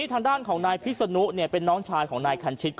ทางด้านของนายพิษนุเป็นน้องชายของนายคันชิต